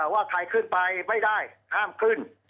ว่าใครขึ้นไปไม่ได้ห้ามขึ้น